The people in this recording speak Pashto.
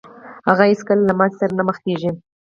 هغه هېڅکله له ماتې سره نه مخ کېږي.